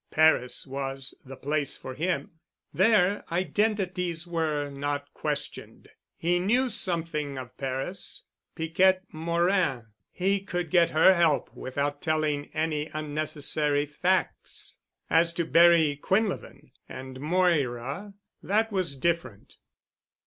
Paris was the place for him. There identities were not questioned. He knew something of Paris. Piquette Morin! He could get her help without telling any unnecessary facts. As to Barry Quinlevin and Moira—that was different.